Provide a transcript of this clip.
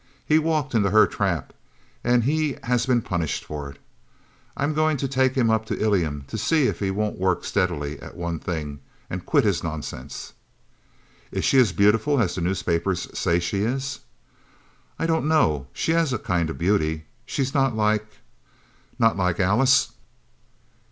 He walked into her trap, and he has been punished for it. I'm going to take him up to Ilium to see if he won't work steadily at one thing, and quit his nonsense." "Is she as beautiful as the newspapers say she is?" "I don't know, she has a kind of beauty she is not like ' "Not like Alice?"